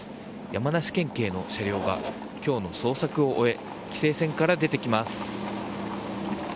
山梨県警の車両が今日の捜索を終え規制線から出てきます。